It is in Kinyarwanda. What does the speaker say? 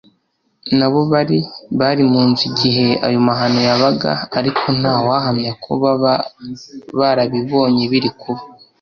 nabo bari bari mu nzu igihe aya mahano yabaga ariko nta wahamya ko baba barabibonye biri kuba